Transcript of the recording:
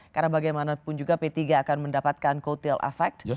karena bagaimanapun juga p tiga akan mendapatkan kutil efekt